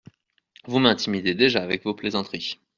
Vous m’intimidez déjà avec vos plaisanteries.